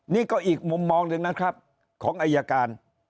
นี่ก็อีกมุมมองหนึ่งนะครับของอายการ